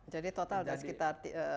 jadi total ada sekitar